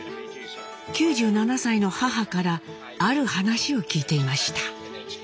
９７歳の母からある話を聞いていました。